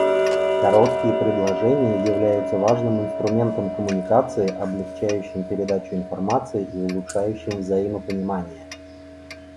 Короткие предложения являются важным инструментом коммуникации, облегчающим передачу информации и улучшающим взаимопонимание.